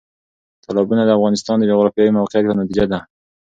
تالابونه د افغانستان د جغرافیایي موقیعت یو نتیجه ده.